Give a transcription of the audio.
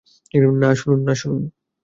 না, শুনুন!